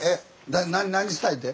何したいて？